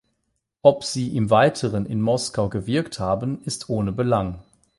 Ob sie im Weiteren in Moskau gewirkt haben, ist ohne Belang.